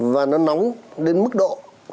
và nó nóng đến mức độ